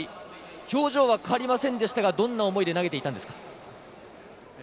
表情は変わりませんでしたが、どんな思いで投げていたんですか？